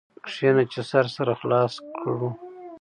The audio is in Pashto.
کښېنه چي سر سره خلاص کړ.